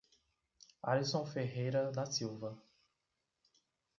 Arisson Ferreira da Silva